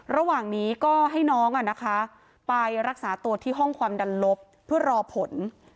ระหว่างนี้ก็ให้น้องไปรักษาตัวที่ห้องความดันลบเพื่อรอผล